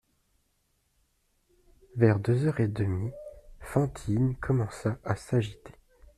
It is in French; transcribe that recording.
Vers deux heures et demie, Fantine commença à s'agiter.